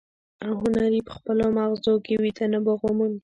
او هنري په خپلو ماغزو کې ويده نبوغ وموند.